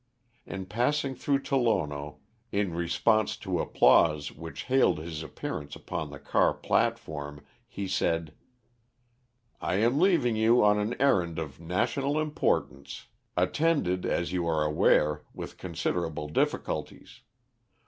In passing through Tolono, in response to applause, which hailed his appearance upon the car platform, he said: "I am leaving you on an errand of national importance, attended, as you are aware, with considerable difficulties.